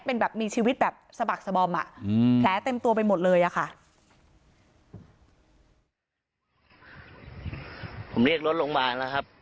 ผมเรียกรถลงมาแล้วครับ